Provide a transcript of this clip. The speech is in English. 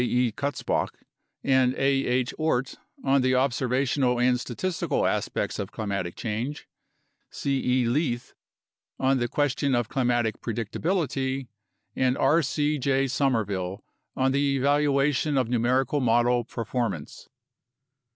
E. Kutz bach and A. H. Oort on the observational and statistical aspects of climatic change; C. E. Leith on the question of climatic predictability; and R. C. J. Somerville on the evaluation of numerical model perfor mance.